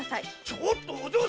ちょっとお嬢様！